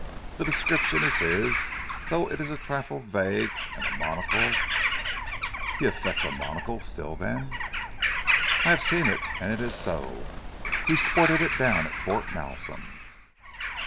"The description is his, though it is a trifle vague and the monocle " "He affects a monocle still then?" "I have seen it, and it is so. He sported it down at Fort Malsun."